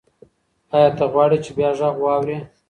ایا ته غواړې چې بیا غږ واورې؟